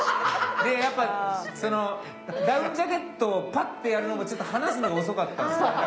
でやっぱダウンジャケットをパッてやるのもちょっと離すのが遅かったんですよ。